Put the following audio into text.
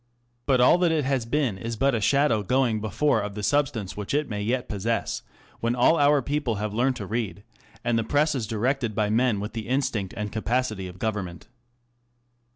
But all that it has been is but a shadow going before of the substance which it may yet possess, when all bur people have learned to read, and the Press is directed by men with the instinct and capacity of government W.